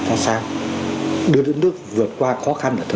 được đất nước vượt qua được đất nước vượt qua được đất nước vượt qua